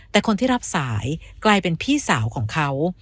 แต่คนที่รับสายกลายเป็นพี่สาวของเขา